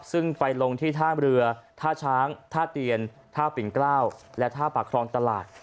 ซึ่งไปลงที่ท่ามเรือท่าช้างท่าเตียนท่าปิ่นเกล้าและท่าปากครองตลาด